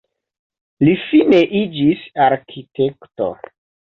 Li fine iĝis arkitekto.